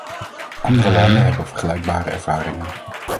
Andere landen hebben vergelijkbare ervaringen.